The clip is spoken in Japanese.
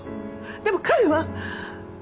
でも彼は！